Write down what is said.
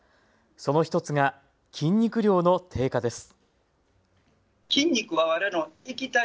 その１つが筋肉量の低下です。